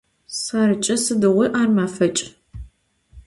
Serç'e sıdiğui ar mefeç'.